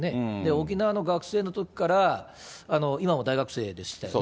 沖縄の学生のときから、今も大学生でしたよね。